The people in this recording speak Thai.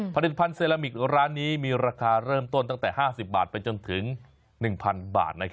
ผลิตภัณฑ์เซรามิกร้านนี้มีราคาเริ่มต้นตั้งแต่๕๐บาทไปจนถึง๑๐๐๐บาท